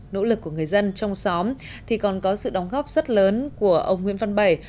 nỗ lực của người dân trong xóm thì còn có sự đóng góp rất lớn của ông nguyễn văn bảy